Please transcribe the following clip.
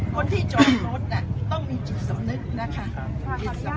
คนที่จอดรถต้องมีจิตสำนึกนะคะ